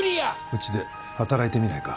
うちで働いてみないか？